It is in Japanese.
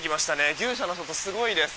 牛舎の外すごいです。